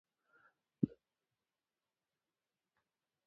د اتیوس شغل موږ ته د بدلونونو په اړه تصویر په لاس راکوي